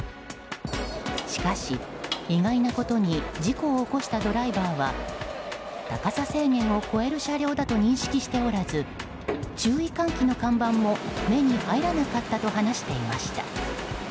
しかし、意外なことに事故を起こしたドライバーは高さ制限を超える車両だと認識しておらず注意喚起の看板も、目に入らなかったと話していました。